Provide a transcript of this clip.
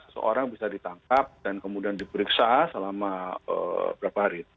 seseorang bisa ditangkap dan kemudian diperiksa selama berapa hari